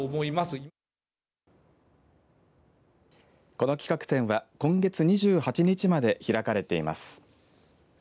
この企画展は今月２８日まで開かれています。